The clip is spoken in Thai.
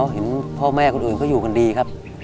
เห็นพ่อแม่คนอื่นก็อยู่ดีครับ